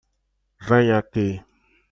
Venha aqui